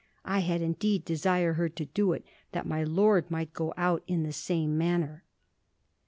I had indeed desired her to do it, that my lord might go out in the same manner.'